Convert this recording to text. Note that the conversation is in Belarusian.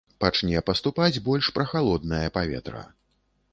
Пачне паступаць больш прахалоднае паветра.